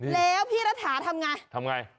แล้วพี่รัฐาทำไง